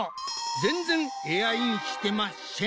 全然エアインしてましぇん！